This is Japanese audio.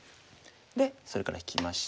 それから引きまして。